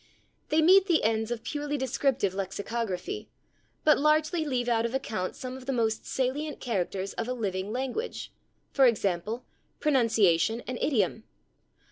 They meet the ends of [Pg034] purely descriptive lexicography, but largely leave out of account some of the most salient characters of a living language, for example, pronunciation and idiom.